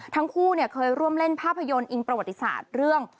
ทั้งคู่เคยร่วมเล่นภาพยนตร์อิงประวัติศาสตร์เรื่อง